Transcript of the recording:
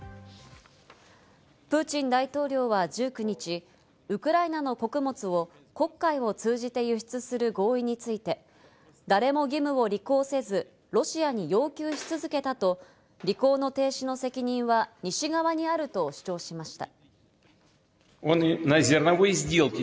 プーチン大統領は１９日、ウクライナの穀物を黒海を通じて輸出する合意について誰も義務を履行せず、ロシアに要求し続けたと、履行の停止の責任は西側にあると主張しました。